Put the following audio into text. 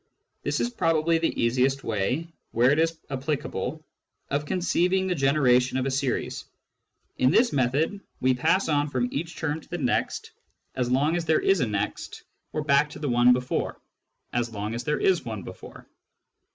This is probably the easiest way, where it is applicable, of conceiving the generation of a series. In this method we pass on from each term to the next, as long as there 36 Introduction to Mathematical Philosophy is a next, or back to the one before, as long as there is one before.